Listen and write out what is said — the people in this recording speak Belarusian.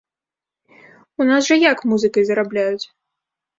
У нас жа як музыкай зарабляюць?